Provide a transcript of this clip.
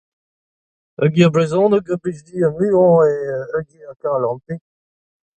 Ar ger brezhoneg a blij din ar muiañ eo an hini a garan me.